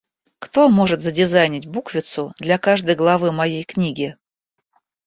Кто может задизайнить буквицу для каждой главы моей книги?